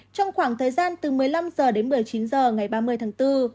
trong khoảng thời gian từ một mươi năm h đến một mươi chín h ngày ba mươi tháng bốn